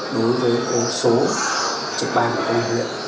đối với số trực ban của các ngân hàng